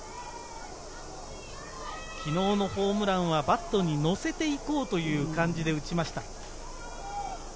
昨日のホームランはバットに乗せて行こうという感じで打ちました。